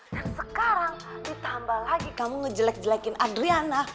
dan sekarang ditambah lagi kamu ngejelek ngelekin adriana